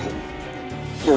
bisa gak begitu benar